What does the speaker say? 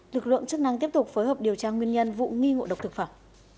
lực lượng chức năng tiếp tục phối hợp điều tra nguyên nhân vụ nghi ngộ độc thực phẩm